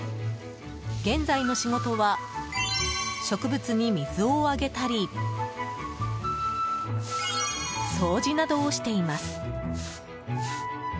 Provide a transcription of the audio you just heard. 現在の仕事は植物に水をあげたり掃除などをしています。